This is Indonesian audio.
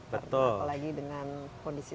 betul apalagi dengan kondisi